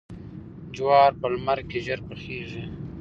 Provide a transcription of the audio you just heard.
جوار په لمر کې ژر پخیږي.